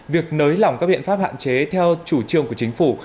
việc nới lỏng các biện pháp hạn chế theo chủ trương của chính phủ